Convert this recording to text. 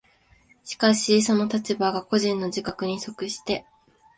しかしその立場が個人の自覚に即して